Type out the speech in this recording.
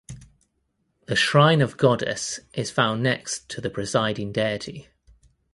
The shrine of goddess is found next to presiding deity.